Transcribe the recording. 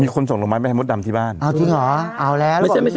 คนส่งลงไม้ไปให้มดดำที่บ้านเอาจริงเหรอเอาแล้วไม่ใช่ไม่ใช่